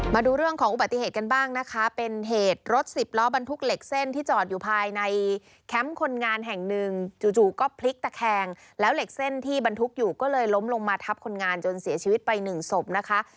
มาดูเรื่องของอุบัติเหตุกันบ้างนะคะเป็นเหตุรถสิบล้อบรรทุกเหล็กเส้นที่จอดอยู่ภายในแคมป์คนงานแห่งหนึ่งจู่ก็พลิกตะแคงแล้วเหล็กเส้นที่บรรทุกอยู่ก็เลยล้มลงมาทับคนงานจนเสียชีวิตไปหนึ่งศพนะคะ